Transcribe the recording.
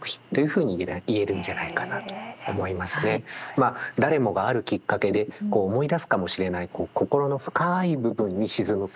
まあ誰もがあるきっかけで思い出すかもしれない心の深い部分に沈む感触